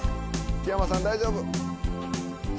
木山さん大丈夫。